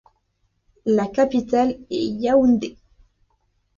La capitale est Yaoundé.